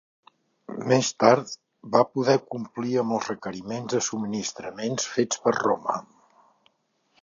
Més tard va poder complir amb els requeriments de subministraments fets per Roma.